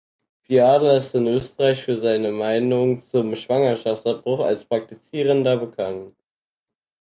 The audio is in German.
Fiala ist in Österreich für seine Meinung zum Schwangerschaftsabbruch als Praktizierender bekannt.